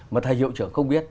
mà thầy hiệu trưởng không biết